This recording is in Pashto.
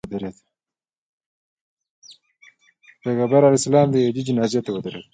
پیغمبر علیه السلام یهودي جنازې ته ودرېده.